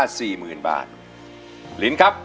อินโทรเพลงที่๓มูลค่า๔๐๐๐๐บาทมาเลยครับ